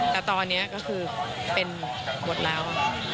แต่ตอนนี้ก็คือเป็นหมดแล้ว